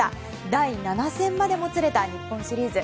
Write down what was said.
第７戦までもつれた日本シリーズ。